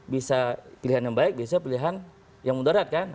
bisa pilihan yang baik bisa pilihan yang mendarat kan